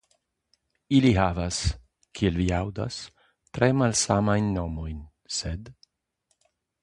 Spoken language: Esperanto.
Ili havas, kiel vi aŭdas, tre malsamajn nomojn, sed..